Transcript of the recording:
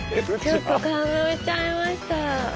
ちょっと感動しちゃいました。